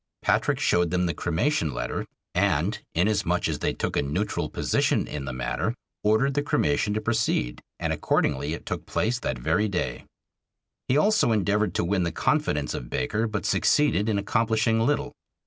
Patrick showed them the cremation letter, and, inasmuch as they took a neutral position in the matter, ordered the cremation to proceed, and accordingly it took place that very day. He also endeavored to win the confidence of Baker, but succeeded in accomplishing little.